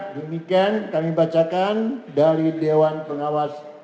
demikian kami bacakan dari dewan pengawas